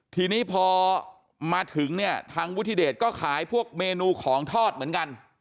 ทีนี้พอมาถึงเนี่ยทางวุฒิเดชก็ขายพวกเมนูของทอดเหมือนกัน